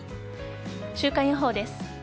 週間予報です。